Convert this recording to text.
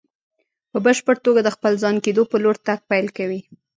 په بشپړ توګه د خپل ځان کېدو په لور تګ پيل کوي.